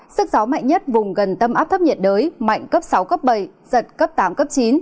sức gió mạnh nhất vùng gần tâm áp thấp nhiệt đới mạnh cấp sáu cấp bảy giật cấp tám cấp chín